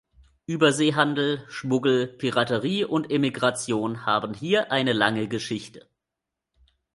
Überseehandel, Schmuggel, Piraterie und Emigration haben hier eine lange Geschichte.